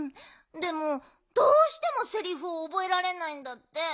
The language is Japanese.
でもどうしてもセリフをおぼえられないんだって。